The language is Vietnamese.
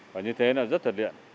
và như thế nó rất thật điện